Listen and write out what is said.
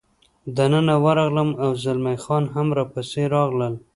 دننه ورغلم، او زلمی خان هم را پسې راغلل.